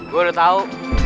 gue udah tau